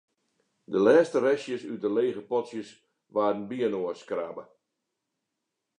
De lêste restjes út de lege potsjes waarden byinoarskrabbe.